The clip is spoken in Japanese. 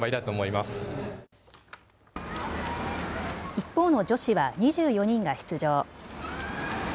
一方の女子は２４人が出場。